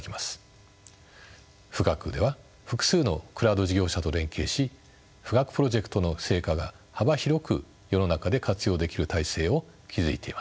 富岳では複数のクラウド事業者と連携し富岳プロジェクトの成果が幅広く世の中で活用できる体制を築いています。